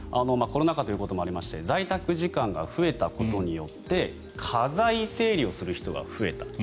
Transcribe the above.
コロナ禍ということもありまして在宅時間が増えたことによって家財整理をする人が増えた。